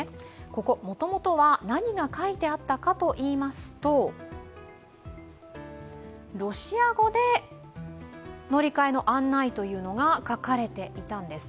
ここ、もともとは何が書いてあったかといいますと、ロシア語で乗り換えの案内が書かれていたんです。